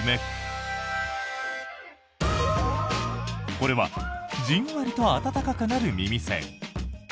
これはじんわりと温かくなる耳栓。